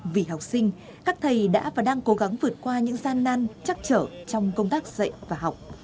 vì học sinh các thầy đã và đang cố gắng vượt qua những gian nan chắc chở trong công tác dạy và học